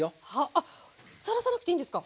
あっさらさなくていいんですか？